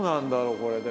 これでも。